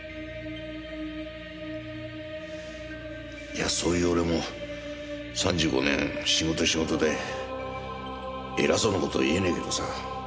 いやそういう俺も３５年仕事仕事で偉そうな事言えねえけどさ。